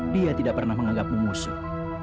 dia tidak pernah menganggapmu musuh